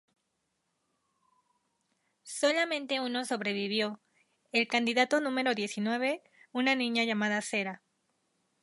Solamente uno sobrevivió: el candidato número diecinueve, una niña llamada Sera.